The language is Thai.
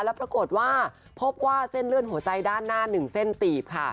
แล้วปรากฏว่าพบว่าเส้นเลือดหัวใจด้านหน้า๑เส้นตีบค่ะ